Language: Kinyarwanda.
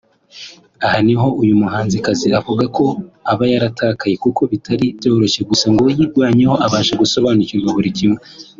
Aha niho uyu muhanzikazi avuga ko aba yaratakaye kuko bitari byoroshye gusa ngo yirwanyeho abasha gusobanukirwa buri kimwe